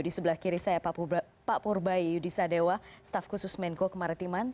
di sebelah kiri saya pak purba yudisa dewa staff khusus menko kemaritiman